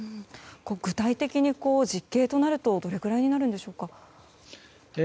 具体的に実刑となるとどれぐらいになるんでしょうか。